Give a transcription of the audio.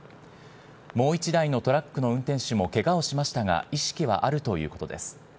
もう１台のトラックの運転手もけがをしましたが、意識はあるということです。